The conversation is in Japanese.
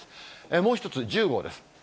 もう一つ、１０号です。